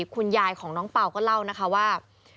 คุณยายของน้องเปล่าก็เล่านะคะว่า